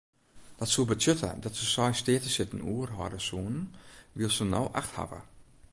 Dat soe betsjutte dat se seis steatesitten oerhâlde soenen wylst se no acht hawwe.